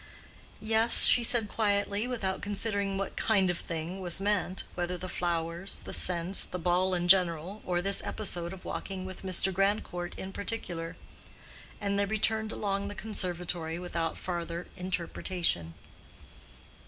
"Yes," she said, quietly, without considering what "kind of thing" was meant—whether the flowers, the scents, the ball in general, or this episode of walking with Mr. Grandcourt in particular. And they returned along the conservatory without farther interpretation.